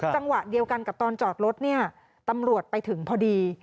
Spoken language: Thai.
จังหวะเดียวกันกับตอนจอดรถเนี่ยตำรวจไปถึงพอดี